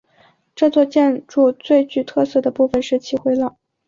这座建筑最具特色的部分是其回廊。